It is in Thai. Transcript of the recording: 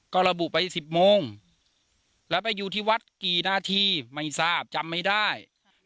ก็ระบุไป๑๐โมงแล้วไปอยู่ที่วัดกี่นาทีไม่ทราบจำไม่ได้